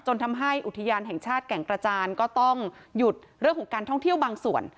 ทำให้อุทยานแห่งชาติแก่งกระจานก็ต้องหยุดเรื่องของการท่องเที่ยวบางส่วน